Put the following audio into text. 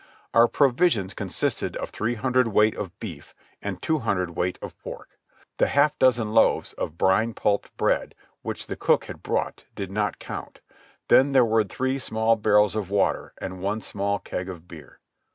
Our provisions consisted of three hundred weight of beef and two hundred weight of pork. The half dozen loaves of brine pulped bread, which the cook had brought, did not count. Then there were three small barrels of water and one small keg of beer.